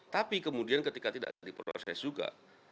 tapi kemudian ketika tidak di proses juga